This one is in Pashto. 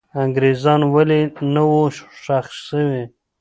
انګریزان ولې نه وو ښخ سوي؟